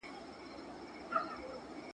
• د تربور غاښ په تربره ماتېږي.